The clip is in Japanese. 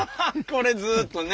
これずっとね。